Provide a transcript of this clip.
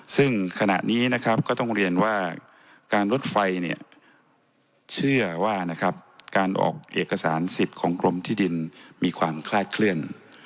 ซึ่งขณะนี้นะครับก็ต้องเรียนว่าการรถไฟเนี่ยเชื่อว่านะครับการออกเอกสารสิทธิ์ของกรมที่ดินมีความคลาดเคลื่อน